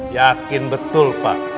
yakin betul pak